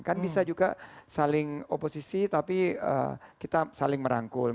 kan bisa juga saling oposisi tapi kita saling merangkul